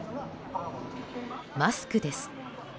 マスクです。